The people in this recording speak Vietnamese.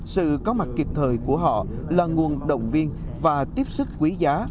sự có mặt kịp thời của họ là nguồn động viên và tiếp sức quý giá